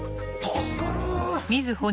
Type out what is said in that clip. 助かる！